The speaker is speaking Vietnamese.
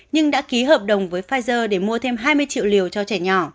nhưng đã ký hợp đồng với pfizer để mua thêm hai mươi triệu liều cho trẻ nhỏ